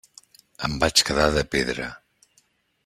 Em vaig quedar de pedra.